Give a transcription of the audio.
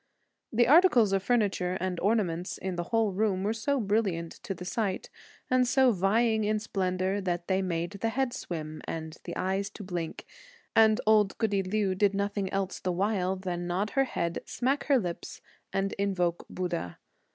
The articles of furniture and ornaments in the whole room were all so brilliant to the sight, and so vying in splendour that they made the head to swim and the eyes to blink, and old goody Liu did nothing else the while than nod her head, smack her lips and invoke Buddha.